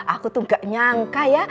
aku tuh gak nyangka ya